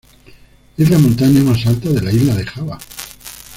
Es la montaña más alta de la isla de Java.